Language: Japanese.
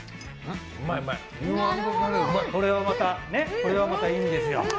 これがまたいいんですよ。